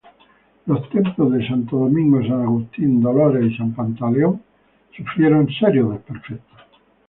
Los templos de Santo Domingo, San Agustín, Dolores y San Pantaleón sufrieron serios desperfectos.